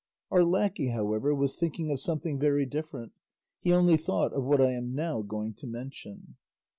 Our lacquey, however, was thinking of something very different; he only thought of what I am now going to mention.